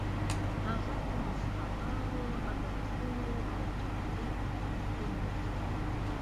هفه په مستعارو ادرسونو او جعلي اکونټونو